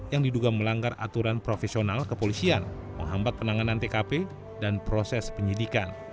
yang diduga melanggar aturan profesional kepolisian menghambat penanganan tkp dan proses penyidikan